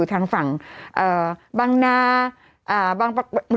กรมป้องกันแล้วก็บรรเทาสาธารณภัยนะคะ